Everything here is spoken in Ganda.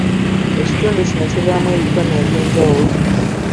Ekitundu kino kivaamu ebitone ebyenjawulo.